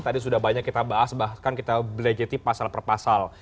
tadi sudah banyak kita bahas bahkan kita belejeti pasal per pasal